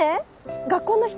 学校の人？